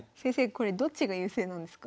これどっちが優勢なんですか？